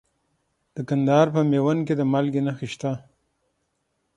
د کندهار په میوند کې د مالګې نښې شته.